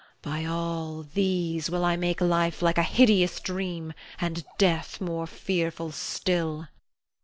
By all these will I make life like a hideous dream, and death more fearful still.